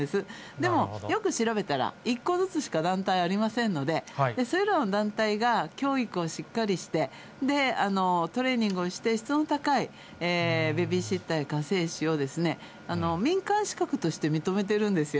でも、よく調べたら、１個ずつしか団体ありませんので、それらの団体が教育をしっかりして、トレーニングをして質の高いベビーシッターや家政師を民間資格として認めてるんですよ。